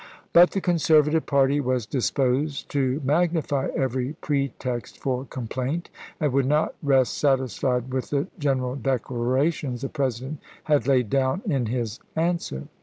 mt ' ms. But the conservative party was disposed to mag nify every pretext for complaint, and would not rest satisfied with the general declarations the 462 ABKAHAM LINCOLN Chap. XIX. President liad laid down in his answer.